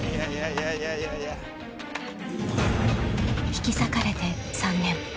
［引き裂かれて３年］